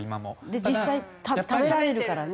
で実際食べられるからね。